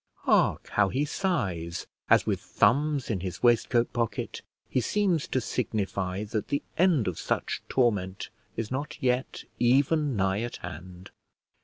Hark, how he sighs, as with thumbs in his waistcoat pocket he seems to signify that the end of such torment is not yet even nigh at hand!